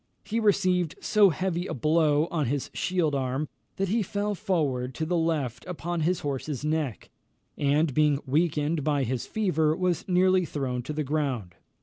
He received so heavy a blow on his shield arm, that he fell forward to the left upon his horse's neck; and being weakened by his fever, was nearly thrown to the ground.